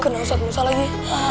kena ustadz musa lagi